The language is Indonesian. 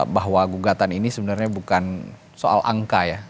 bahwa gugatan ini sebenarnya bukan soal angka ya